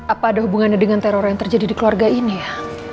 apa ada hubungannya dengan teror yang terjadi di keluarga ini ya